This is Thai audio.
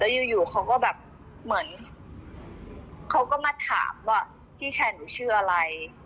อยู่เขาก็แบบเหมือนเขาก็มาถามว่าพี่ชายหนูชื่ออะไร